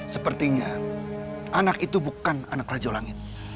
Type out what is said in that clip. sepertinya anak itu bukan anak raja langit